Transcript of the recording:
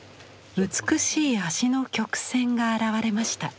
美しい足の曲線が表れました。